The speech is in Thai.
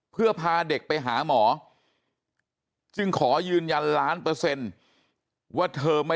เพื่อพาเด็กไปหาหมอจึงขอยืนยันล้านเปอร์เซ็นต์ว่าเธอไม่